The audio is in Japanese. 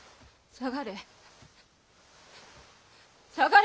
下がれ！